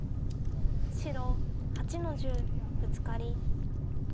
白８の十ブツカリ。